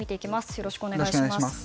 よろしくお願いします。